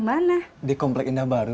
mau temenin nggak